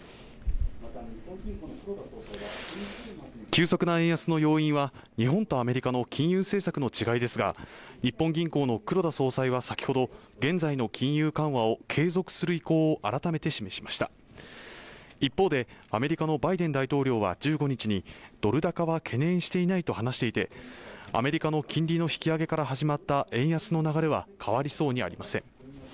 急速な円安の要因は日本とアメリカの金融政策の違いですが日本銀行の黒田総裁は先ほど現在の金融緩和を継続する意向を改めて示しました一方でアメリカのバイデン大統領は１５日にドル高は懸念していないと話していてアメリカの金利の引き上げから始まった円安の流れは変わりそうにありません